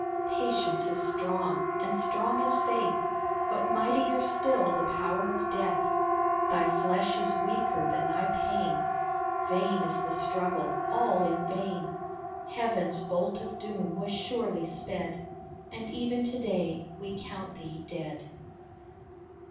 Patience is strong, and strong is faith, But mightier still the power of death ; Thy flesh is weaker than thy pain, Vain is the struggle, all in vain. Heaven's bolt of doom was surely sped, And even to day we count thee dead.